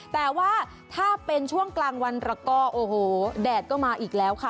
แต่ว่าถ้าเป็นช่วงกลางวันแล้วก็โอ้โหแดดก็มาอีกแล้วค่ะ